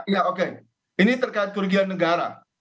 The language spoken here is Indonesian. ya oke ini terkait kerugian negara